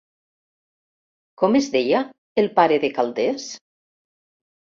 Com es deia el pare de Calders?